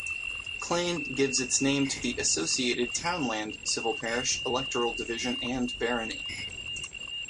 Clane gives its name to the associated townland, civil parish, electoral division and barony.